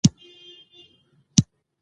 د شاتو مچۍ د طبي څیړنو لپاره ګټورې دي.